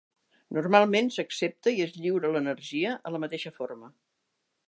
Normalment s'accepta i es lliura l'energia a la mateixa forma.